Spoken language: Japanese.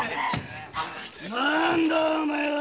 何だお前は。